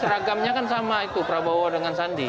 seragamnya kan sama itu prabowo dengan sandi